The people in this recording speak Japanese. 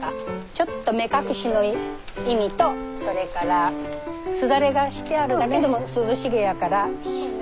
ちょっと目隠しの意味とそれからすだれがしてあるだけでも涼しげやから。